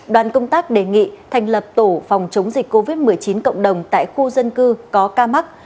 đoàn công tác đề nghị thành lập tổ phòng chống dịch covid một mươi chín cộng đồng tại khu dân cư có ca mắc